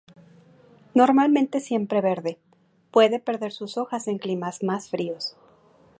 Normalmente siempre verde, puede perder sus hojas en climas más fríos.